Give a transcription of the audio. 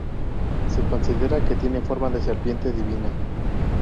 Se considera que tiene forma de serpiente divina.